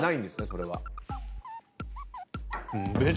それは。